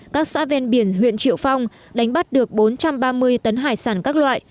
các xã ven biển huyện triệu phong đánh bắt được bốn trăm ba mươi tấn hải sản các loại